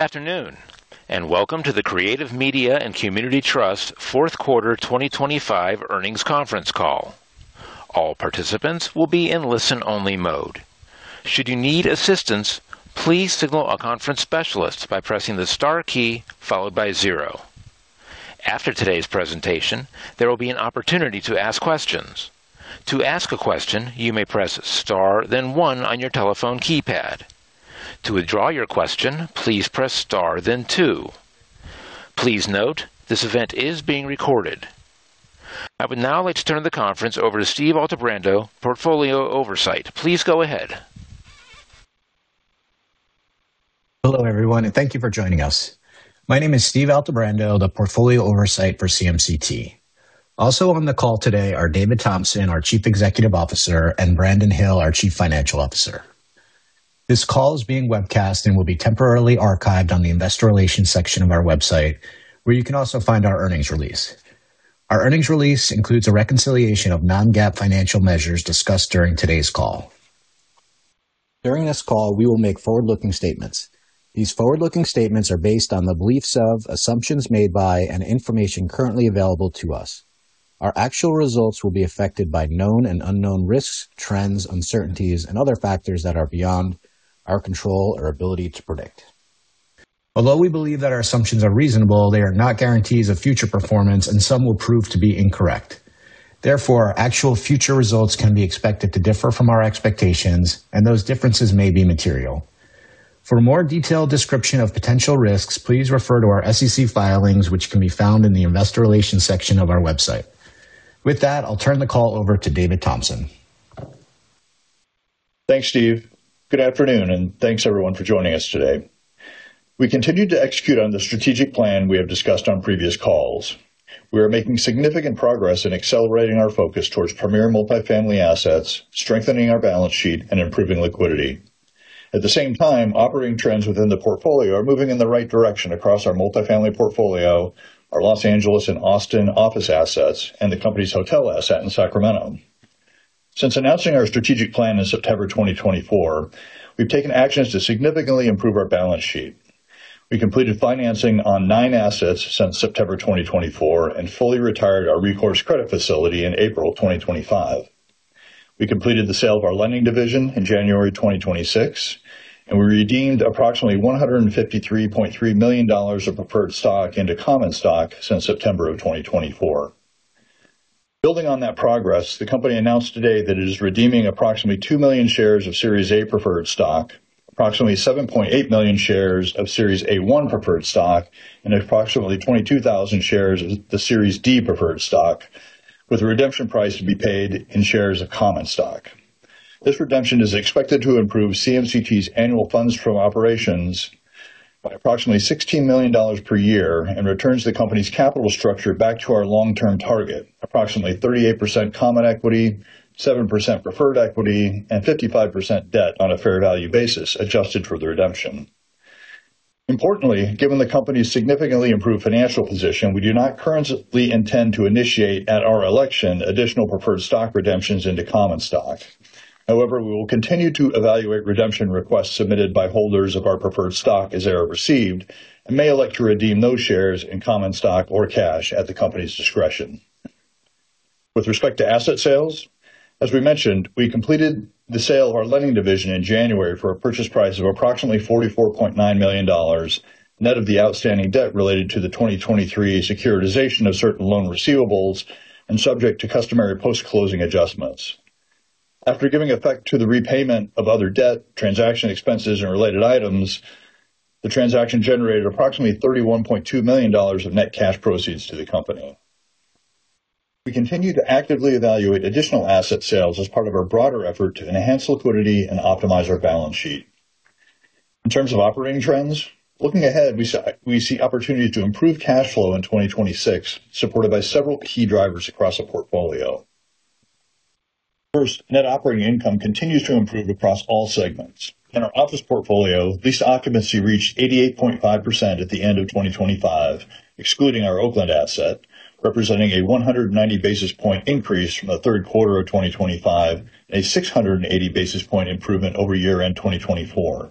Afternoon, welcome to the Creative Media & Community Trust Fourth Quarter 2025 Earnings Conference Call. All participants will be in listen-only mode. Should you need assistance, please signal a conference specialist by pressing the star key followed by zero. After today's presentation, there will be an opportunity to ask questions. To ask a question, you may press star then one on your telephone keypad. To withdraw your question, please press star then two. Please note, this event is being recorded. I would now like to turn the conference over to Steve Altebrando, Portfolio Oversight. Please go ahead. Hello, everyone. Thank you for joining us. My name is Steve Altebrando, the Portfolio Oversight for CMCT. Also on the call today are David Thompson, our Chief Executive Officer, and Brandon Hill, our Chief Financial Officer. This call is being webcast and will be temporarily archived on the investor relations section of our website, where you can also find our earnings release. Our earnings release includes a reconciliation of non-GAAP financial measures discussed during today's call. During this call, we will make forward-looking statements. These forward-looking statements are based on the beliefs of, assumptions made by, and information currently available to us. Our actual results will be affected by known and unknown risks, trends, uncertainties, and other factors that are beyond our control or ability to predict. We believe that our assumptions are reasonable, they are not guarantees of future performance and some will prove to be incorrect. Therefore, our actual future results can be expected to differ from our expectations, and those differences may be material. For a more detailed description of potential risks, please refer to our SEC filings, which can be found in the investor relations section of our website. With that, I'll turn the call over to David Thompson. Thanks, Steve. Good afternoon, and thanks everyone for joining us today. We continue to execute on the strategic plan we have discussed on previous calls. We are making significant progress in accelerating our focus towards premier multifamily assets, strengthening our balance sheet and improving liquidity. At the same time, operating trends within the portfolio are moving in the right direction across our multifamily portfolio, our Los Angeles and Austin office assets, and the company's hotel asset in Sacramento. Since announcing our strategic plan in September 2024, we've taken actions to significantly improve our balance sheet. We completed financing on nine assets since September 2024 and fully retired our recourse credit facility in April 2025. We completed the sale of our lending division in January 2026, and we redeemed approximately $153.3 million of preferred stock into common stock since September of 2024. Building on that progress, the company announced today that it is redeeming approximately 2 million shares of Series A preferred stock, approximately 7.8 million shares of Series A-1 preferred stock, and approximately 22,000 shares of the Series D preferred stock, with a redemption price to be paid in shares of common stock. This redemption is expected to improve CMCT's annual funds from operations by approximately $16 million per year and returns the company's capital structure back to our long-term target, approximately 38% common equity, 7% preferred equity, and 55% debt on a fair value basis adjusted for the redemption. Importantly, given the company's significantly improved financial position, we do not currently intend to initiate at our election additional preferred stock redemptions into common stock. However, we will continue to evaluate redemption requests submitted by holders of our preferred stock as error received and may elect to redeem those shares in common stock or cash at the company's discretion. With respect to asset sales, as we mentioned, we completed the sale of our lending division in January for a purchase price of approximately $44.9 million net of the outstanding debt related to the 2023 securitization of certain loan receivables and subject to customary post-closing adjustments. After giving effect to the repayment of other debt, transaction expenses, and related items, the transaction generated approximately $31.2 million of net cash proceeds to the company. We continue to actively evaluate additional asset sales as part of our broader effort to enhance liquidity and optimize our balance sheet. In terms of operating trends, looking ahead, we see opportunity to improve cash flow in 2026, supported by several key drivers across the portfolio. First, net operating income continues to improve across all segments. In our office portfolio, lease occupancy reached 88.5% at the end of 2025, excluding our Oakland asset, representing a 190 basis point increase from the third quarter of 2025 and a 680 basis point improvement over year-end 2024.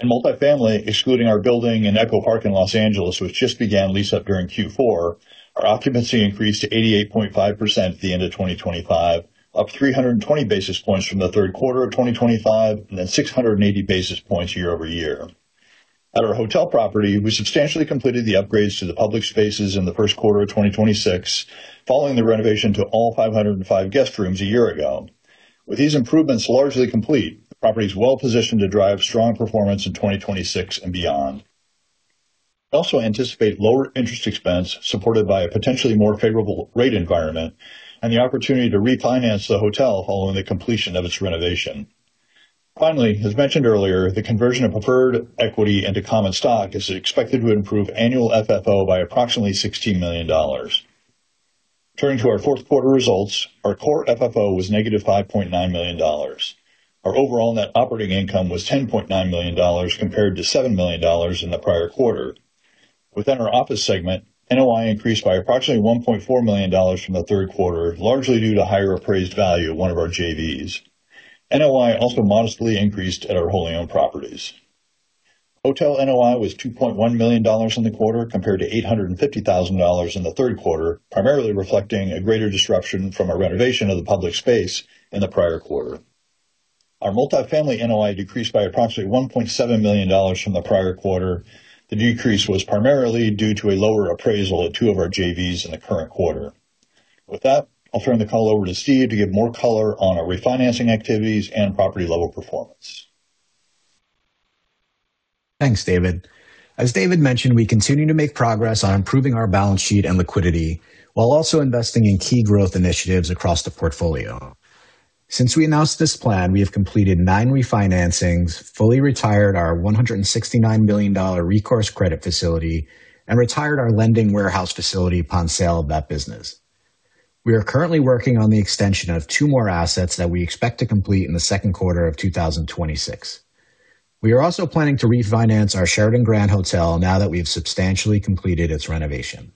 In multifamily, excluding our building in Echo Park in Los Angeles, which just began lease-up during Q4, our occupancy increased to 88.5% at the end of 2025, up 320 basis points from the third quarter of 2025 and then 680 basis points year over year. At our hotel property, we substantially completed the upgrades to the public spaces in the first quarter of 2026 following the renovation to all 505 guest rooms a year ago. With these improvements largely complete, the property is well positioned to drive strong performance in 2026 and beyond. We also anticipate lower interest expense supported by a potentially more favorable rate environment and the opportunity to refinance the hotel following the completion of its renovation. As mentioned earlier, the conversion of preferred equity into common stock is expected to improve annual FFO by approximately $16 million. Turning to our fourth quarter results, our Core FFO was negative $5.9 million. Our overall net operating income was $10.9 million compared to $7 million in the prior quarter. Within our office segment, NOI increased by approximately $1.4 million from the third quarter, largely due to higher appraised value of one of our JVs. NOI also modestly increased at our wholly-owned properties. Hotel NOI was $2.1 million in the quarter compared to $850,000 in the third quarter, primarily reflecting a greater disruption from a renovation of the public space in the prior quarter. Our multifamily NOI decreased by approximately $1.7 million from the prior quarter. The decrease was primarily due to a lower appraisal at two of our JVs in the current quarter. With that, I'll turn the call over to Steve to give more color on our refinancing activities and property-level performance. Thanks, David. As David mentioned, we continue to make progress on improving our balance sheet and liquidity while also investing in key growth initiatives across the portfolio. Since we announced this plan, we have completed nine refinancings, fully retired our $169 million recourse credit facility, and retired our lending warehouse facility upon sale of that business. We are currently working on the extension of two more assets that we expect to complete in the second quarter of 2026. We are also planning to refinance our Sheraton Grand Sacramento Hotel now that we have substantially completed its renovation.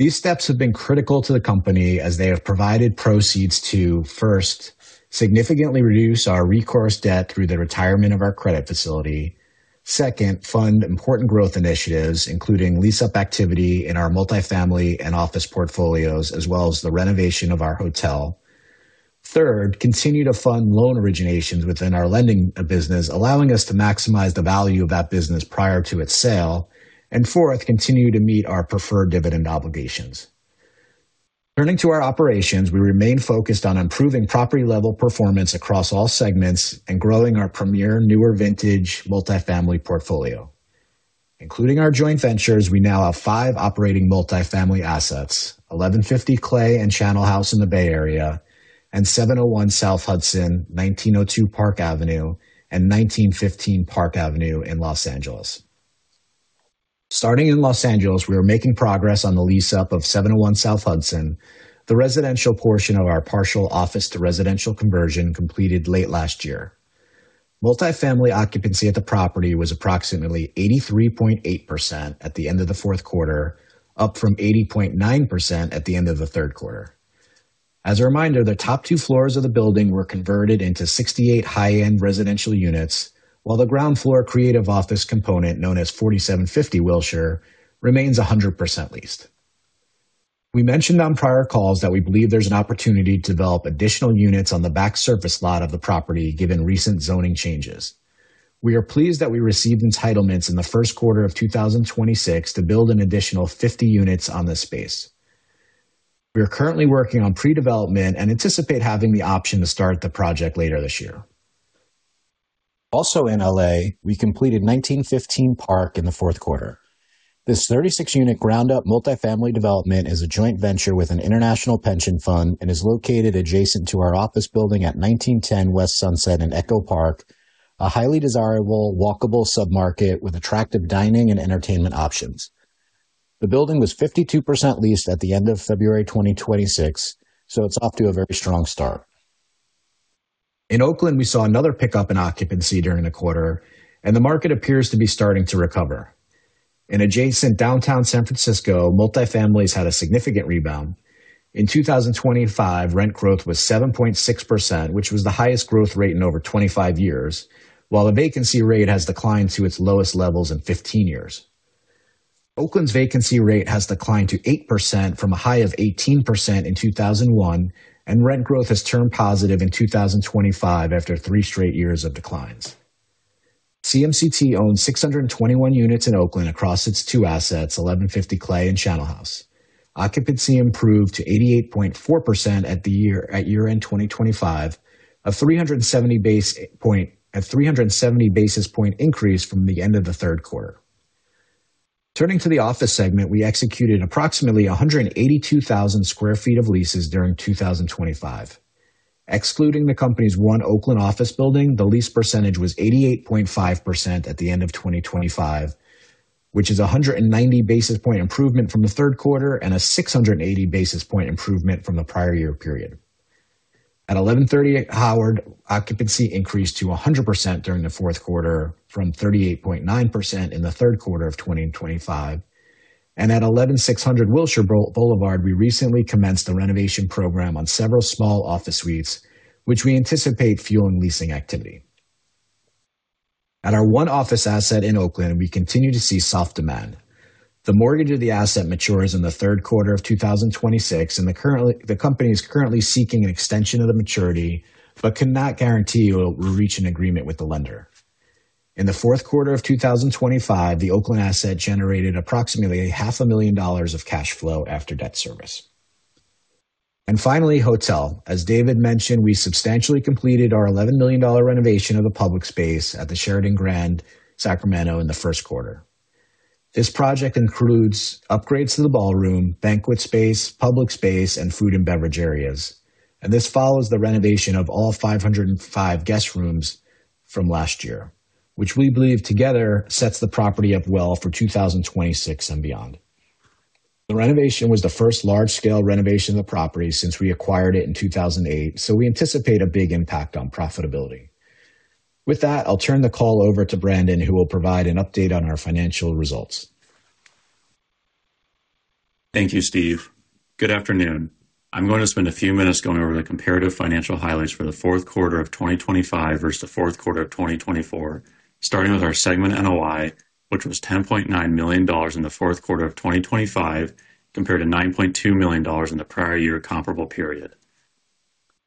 These steps have been critical to the company as they have provided proceeds to, first, significantly reduce our recourse debt through the retirement of our credit facility. Second, fund important growth initiatives, including lease-up activity in our multifamily and office portfolios, as well as the renovation of our hotel. Third, continue to fund loan originations within our lending business, allowing us to maximize the value of that business prior to its sale. Fourth, continue to meet our preferred dividend obligations. Turning to our operations, we remain focused on improving property-level performance across all segments and growing our premier newer vintage multifamily portfolio. Including our joint ventures, we now have five operating multifamily assets: 1150 Clay and Channel House in the Bay Area, and 701 South Hudson, 1902 Park Avenue, and 1915 Park Avenue in Los Angeles. Starting in Los Angeles, we are making progress on the lease-up of 701 South Hudson, the residential portion of our partial office to residential conversion completed late last year. Multifamily occupancy at the property was approximately 83.8% at the end of the fourth quarter, up from 80.9% at the end of the third quarter. As a reminder, the top two floors of the building were converted into 68 high-end residential units, while the ground floor creative office component, known as 4750 Wilshire, remains 100% leased. We mentioned on prior calls that we believe there's an opportunity to develop additional units on the back surface lot of the property, given recent zoning changes. We are pleased that we received entitlements in the first quarter of 2026 to build an additional 50 units on this space. We are currently working on pre-development and anticipate having the option to start the project later this year. Also in L.A., we completed 1915 Park in the fourth quarter. This 36-unit ground-up multifamily development is a joint venture with an international pension fund and is located adjacent to our office building at 1910 West Sunset in Echo Park, a highly desirable, walkable sub-market with attractive dining and entertainment options. The building was 52% leased at the end of February 2026, so it's off to a very strong start. In Oakland, we saw another pickup in occupancy during the quarter, and the market appears to be starting to recover. In adjacent downtown San Francisco, multifamilies had a significant rebound. In 2025, rent growth was 7.6%, which was the highest growth rate in over 25 years, while the vacancy rate has declined to its lowest levels in 15 years. Oakland's vacancy rate has declined to 8% from a high of 18% in 2001, and rent growth has turned positive in 2025 after three straight years of declines. CMCT owns 621 units in Oakland across its two assets, 1150 Clay and Channel House. Occupancy improved to 88.4% at year-end 2025, a 370 basis point increase from the end of the third quarter. Turning to the office segment, we executed approximately 182,000 sq ft of leases during 2025. Excluding the company's one Oakland office building, the lease percentage was 88.5% at the end of 2025, which is a 190 basis point improvement from the third quarter and a 680 basis point improvement from the prior year period. At 1130 Howard, occupancy increased to 100% during the fourth quarter from 38.9% in the third quarter of 2025. At 11600 Wilshire Boulevard, we recently commenced a renovation program on several small office suites, which we anticipate fueling leasing activity. At our one office asset in Oakland, we continue to see soft demand. The mortgage of the asset matures in the third quarter of 2026. The company is currently seeking an extension of the maturity but cannot guarantee it will reach an agreement with the lender. In the fourth quarter of 2025, the Oakland asset generated approximately $0.5 million of cash flow after debt service. Finally, hotel. As David mentioned, we substantially completed our $11 million renovation of the public space at the Sheraton Grand Sacramento in the first quarter. This project includes upgrades to the ballroom, banquet space, public space, and food and beverage areas. This follows the renovation of all 505 guest rooms from last year, which we believe together sets the property up well for 2026 and beyond. The renovation was the first large scale renovation of the property since we acquired it in 2008. We anticipate a big impact on profitability. With that, I'll turn the call over to Brandon, who will provide an update on our financial results. Thank you, Steve. Good afternoon. I'm going to spend a few minutes going over the comparative financial highlights for the fourth quarter of 2025 versus the fourth quarter of 2024, starting with our segment NOI, which was $10.9 million in the fourth quarter of 2025 compared to $9.2 million in the prior year comparable period.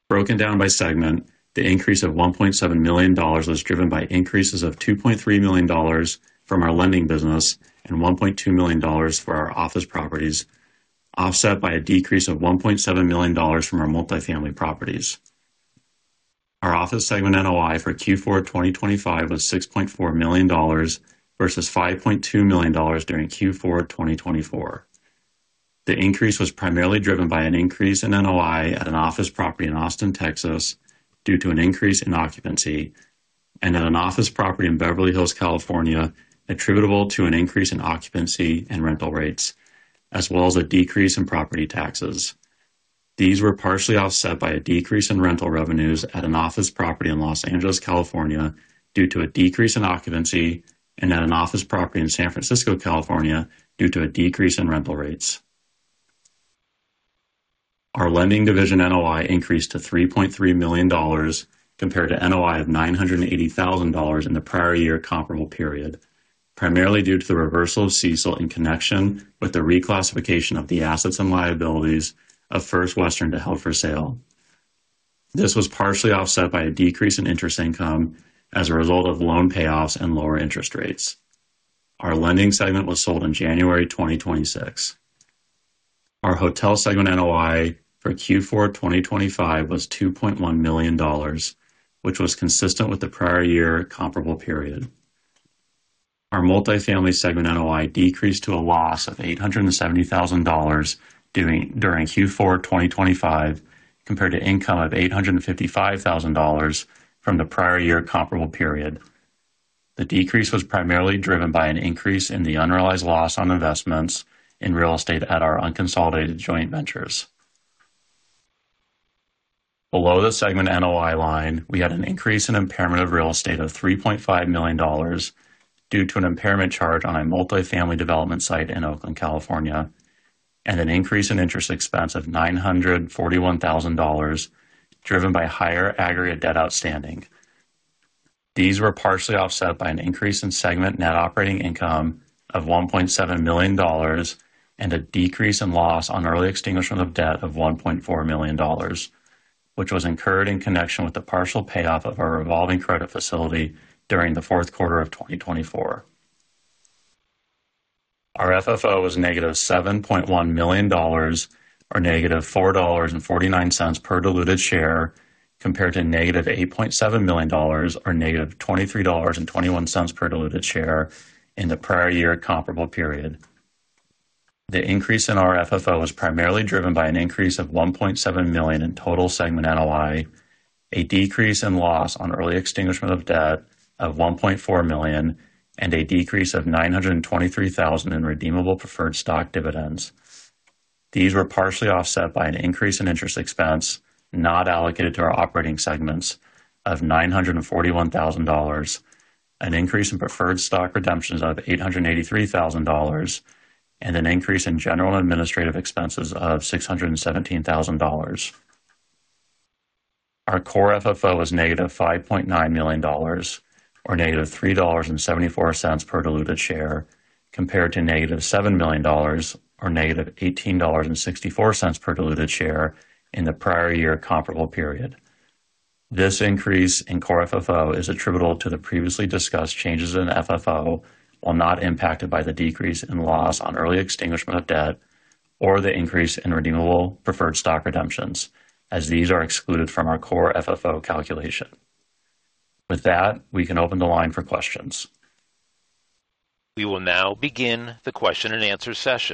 Broken down by segment, the increase of $1.7 million was driven by increases of $2.3 million from our lending business and $1.2 million for our office properties, offset by a decrease of $1.7 million from our multifamily properties. Our office segment NOI for Q4 2025 was $6.4 million versus $5.2 million during Q4 2024. The increase was primarily driven by an increase in NOI at an office property in Austin, Texas, due to an increase in occupancy and at an office property in Beverly Hills, California, attributable to an increase in occupancy and rental rates, as well as a decrease in property taxes. These were partially offset by a decrease in rental revenues at an office property in Los Angeles, California, due to a decrease in occupancy and at an office property in San Francisco, California, due to a decrease in rental rates. Our lending division NOI increased to $3.3 million compared to NOI of $980,000 in the prior year comparable period, primarily due to the reversal of CECL in connection with the reclassification of the assets and liabilities of First Western to held for sale. This was partially offset by a decrease in interest income as a result of loan payoffs and lower interest rates. Our lending segment was sold in January 2026. Our hotel segment NOI for Q4 2025 was $2.1 million, which was consistent with the prior year comparable period. Our multifamily segment NOI decreased to a loss of $870,000 during Q4 2025 compared to income of $855,000 from the prior year comparable period. The decrease was primarily driven by an increase in the unrealized loss on investments in real estate at our unconsolidated joint ventures. Below the segment NOI line, we had an increase in impairment of real estate of $3.5 million due to an impairment charge on a multifamily development site in Oakland, California, and an increase in interest expense of $941,000 driven by higher aggregate debt outstanding. These were partially offset by an increase in segment net operating income of $1.7 million and a decrease in loss on early extinguishment of debt of $1.4 million, which was incurred in connection with the partial payoff of our revolving credit facility during the fourth quarter of 2024. Our FFO was negative $7.1 million, or negative $4.49 per diluted share, compared to negative $8.7 million, or negative $23.21 per diluted share in the prior year comparable period. The increase in our FFO was primarily driven by an increase of $1.7 million in total segment NOI, a decrease in loss on early extinguishment of debt of $1.4 million, and a decrease of $923,000 in redeemable preferred stock dividends. These were partially offset by an increase in interest expense not allocated to our operating segments of $941,000, an increase in preferred stock redemptions of $883,000, and an increase in general and administrative expenses of $617,000. Our Core FFO was negative $5.9 million or negative $3.74 per diluted share compared to negative $7 million or negative $18.64 per diluted share in the prior year comparable period. This increase in Core FFO is attributable to the previously discussed changes in FFO, while not impacted by the decrease in loss on early extinguishment of debt or the increase in redeemable preferred stock redemptions, as these are excluded from our Core FFO calculation. With that, we can open the line for questions. We will now begin the question and answer session.